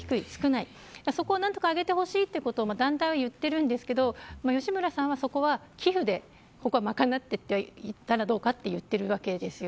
そこを何とか上げてほしいというのを、団体は言っているんですけど吉村さんはそこは寄付で賄っていったらどうかと言っているわけです。